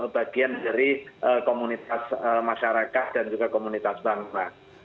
bagian dari komunitas masyarakat dan juga komunitas bangsa